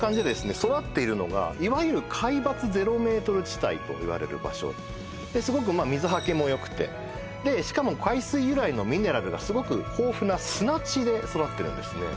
育っているのがいわゆる海抜ゼロメートル地帯と言われる場所ですごくまあ水はけもよくてでしかも海水由来のミネラルがすごく豊富な砂地で育ってるんですね